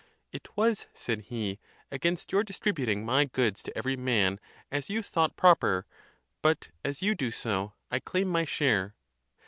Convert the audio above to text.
"Tt was," said he, "against your distributing my goods to every man as you thought proper; but, as you do so, I claim my share."